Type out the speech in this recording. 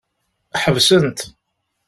Ḥesbent.